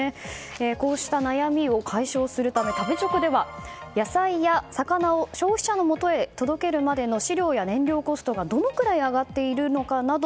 こうした悩みを解消するため食べチョクでは野菜や魚を消費者のもとへ届けるまでの飼料や燃料コストがどのくらい上がっているのかなど